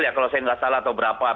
ya kalau saya nggak salah atau berapa